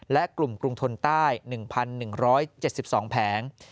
และกลุ่มกรุงทนใต้๑๑๗๒แผง